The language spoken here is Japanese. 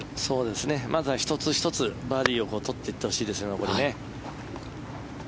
まずは１つ１つ、残りバーディーを取っていってほしいですね。